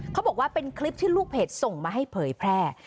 เขาบอกว่าเป็นคลิปที่ลูกเพจส่งมาให้เผยแพร่